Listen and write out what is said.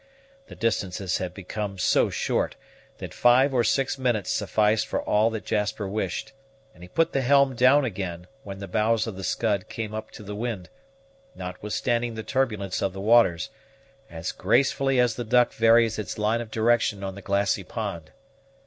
The distances had become so short, that five or six minutes sufficed for all that Jasper wished, and he put the helm down again, when the bows of the Scud came up to the wind, notwithstanding the turbulence of the waters, as gracefully as the duck varies its line of direction on the glassy pond.